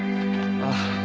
ああ。